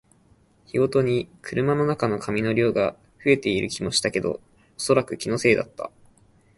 日ごとに車の中の紙の量が増えている気もしたけど、おそらく気のせいだった